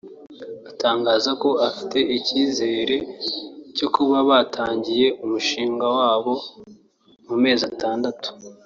atangaza ko afite icyizere cyo kuba batangiye umushinga wabo mu mezi atandatu